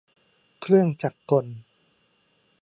เครื่องจักรกล